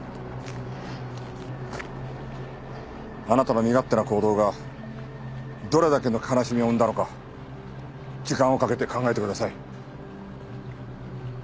あなたの身勝手な行動がどれだけの悲しみを生んだのか時間をかけて考えてください。